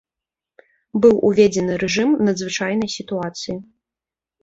Быў уведзены рэжым надзвычайнай сітуацыі.